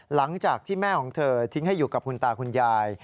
หลังจากที่แม่ของเธอทิ้งให้อยู่กับคุณตาคุณยาย